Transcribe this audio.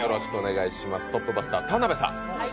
トップバッター、田辺さん。